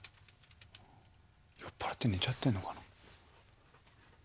酔っぱらって寝ちゃってんのかな。